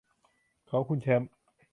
ของคุณแชมป์